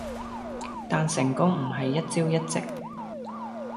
但成功唔係一朝一夕。